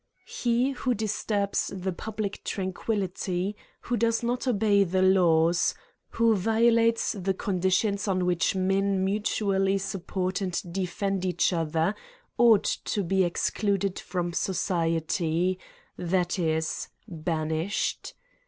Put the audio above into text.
HE who disturbs the public tranquillity, who does not obey the laws, who violates the condi tions on which men mutually support and defend each other, ought to be excluded from society, that is, banished.